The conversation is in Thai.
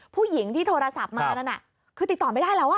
ผู้หญิงที่โทรศัพท์มานั่นน่ะคือติดต่อไม่ได้แล้ว